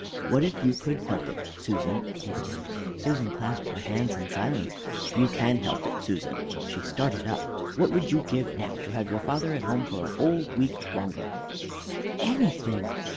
"What if you could help it, Susan?" he said. Susan clasped her hands in silence. "You can help it, Susan." She started up. "What would you give now to have your father at home for a whole week longer?" "Anything!